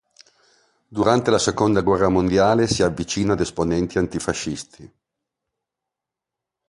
Durante la seconda guerra mondiale si avvicina ad esponenti antifascisti.